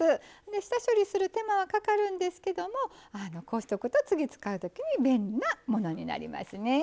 下処理する手間はかかるんですけどもこうしとくと次使う時に便利なものになりますね。